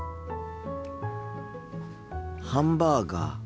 ハンバーガー。